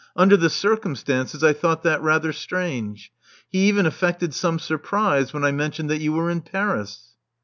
Under the circum stances I thought that rather strange. He even afifected some surprise when I mentioned that you were in Paris."